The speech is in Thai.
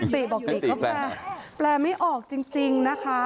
ติบอกติก็แปลแปลไม่ออกจริงนะคะ